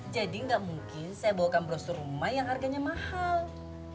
jadi nggak mungkin saya bawakan brosur rumah yang harganya mahal